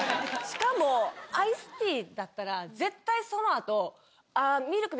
しかもアイスティーだったら絶対その後。